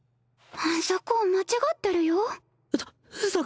そこ間違ってるよさ